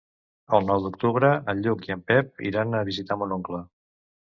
El nou d'octubre en Lluc i en Pep iran a visitar mon oncle.